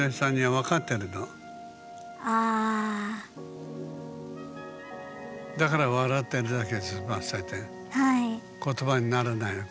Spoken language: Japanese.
だから笑ってるだけで済ませて言葉にならない。